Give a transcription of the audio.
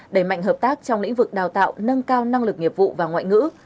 đẩy mạnh hợp tác trong lĩnh vực đào tạo nâng cao năng lực nghiệp vụ và ngoại ngữ